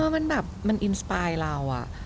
มันแบบมันอินสปายเราอะ